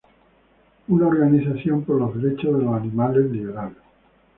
Una organización por los derechos de los animales, Libera!